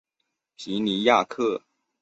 皮尼亚克。